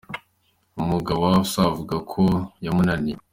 Umugabo wa Afsa avuga ko yamunaniye.